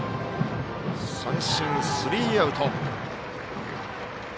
三振、スリーアウト。